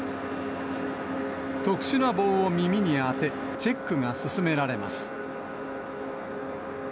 特殊な棒を耳に当て、チェックが進められます。